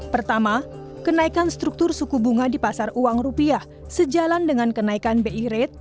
pertama kenaikan struktur suku bunga di pasar uang rupiah sejalan dengan kenaikan bi rate